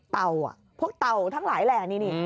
พวกเต่าทั้งหลายแหล่นี่